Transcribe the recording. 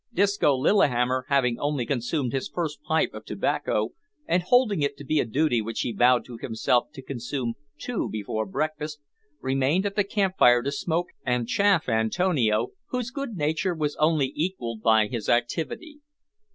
Disco Lillihammer having only consumed his first pipe of tobacco, and holding it to be a duty which he owed to himself to consume two before breakfast, remained at the camp fire to smoke and chaff Antonio, whose good nature was only equalled by his activity.